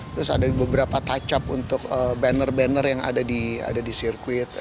terus ada beberapa touch up untuk banner banner yang ada di sirkuit